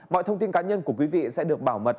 mọi thông tin cá nhân của quý vị sẽ được bảo mật